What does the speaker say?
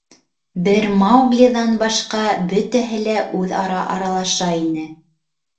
Бер Мауглиҙан башҡа, бөтәһе лә үҙ-ара аралаша ине.